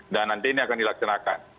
dan nanti ini akan dilaksanakan